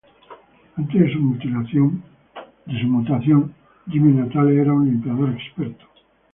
Antes de su mutación, Jimmy Natale era un limpiador experto.